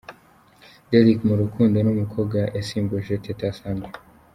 Derek mu rukundo n’umukobwa yasimbuje Teta Sandra.